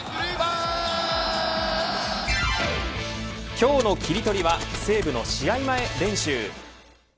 今日のキリトリは西武の試合前練習。